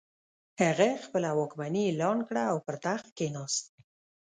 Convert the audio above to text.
هغه خپله واکمني اعلان کړه او پر تخت کښېناست.